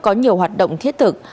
có nhiều hoạt động thiết thực